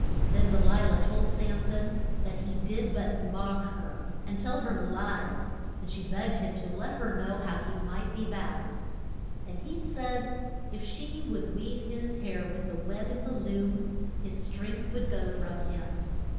Then De li lah told Sam son that he did but mock her and tell her lies, and she begged him to let her know how he might be bound. And he said if she would weave his hair with the web in the loom his strength would go from him.